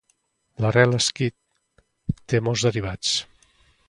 L'arrel "sidq" té molts derivats.